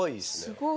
すごい。